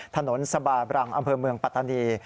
สบาบรังอำเภอเมืองปัตตานี